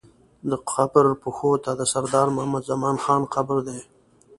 د قبر پښو ته د سردار محمد زمان خان قبر دی.